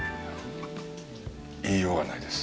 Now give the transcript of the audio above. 言いようがないです。